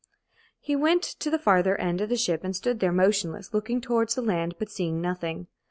He went to the farther end of the ship and stood there motionless, looking towards the land but seeing nothing.